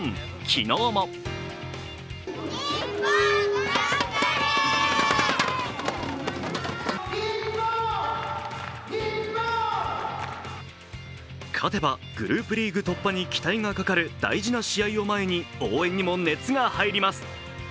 昨日も勝てばグループリーグ突破に期待がかかる大事な試合に応援にも熱が入ります。